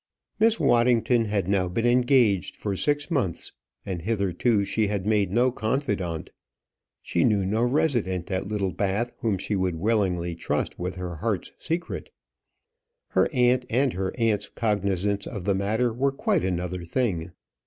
Miss Waddington had now been engaged for six months, and hitherto she had made no confidante. She knew no resident at Littlebath whom she would willingly trust with her heart's secret: her aunt, and her aunt's cognizance of the matter were quite another thing.